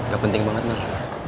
gak penting banget mar